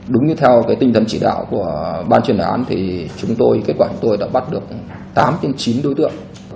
đúng như theo tinh thần chỉ đạo của ban truyền đoán kết quả chúng tôi đã bắt được tám chín đối tượng